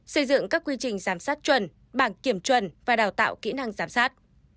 xây dựng các quy trình giám sát chuẩn bảng kiểm chuẩn và đào tạo kỹ năng giám sát